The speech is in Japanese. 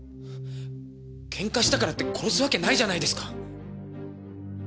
ケンカしたからって殺すわけないじゃないですか。